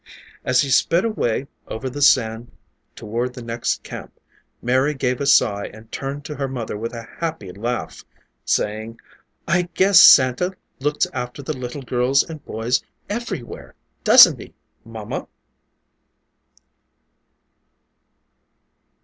As he sped away over the sand toward the next camp, Mary gave a sigh and turned to her mother with a happy laugh, saying, "I guess Santa looks after the little girls and boys everywhere, doesn't he, Mamma?"